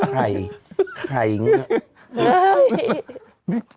ไข่ไข่เมล้ง